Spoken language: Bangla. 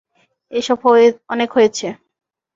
এসব অনেক হয়েছে।